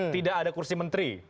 tidak ada kursi menteri